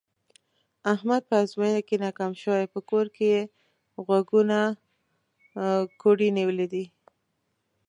احمد په ازموینه کې ناکام شوی، په کور کې یې غوږونه کوړی نیولي دي.